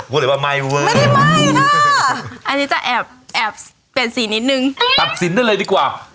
ของพี่ป้องเป็นไงบ้างครับ